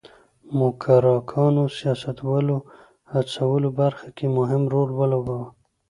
موکراکانو سیاستوالو هڅولو برخه کې مهم رول ولوباوه.